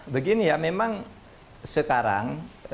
begini ya memang sekarang